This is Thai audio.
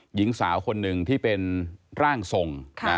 หญิงสาวคนหนึ่งที่เป็นร่างทรง